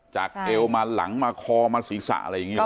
เอวมาหลังมาคอมาศีรษะอะไรอย่างนี้หรอ